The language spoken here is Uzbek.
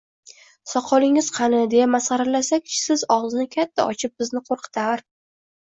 “Saqolingiz qani?” deya masxaralasak, tishsiz og’zini katta ochib bizni qo’rqitar